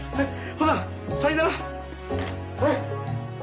ほなさいなら。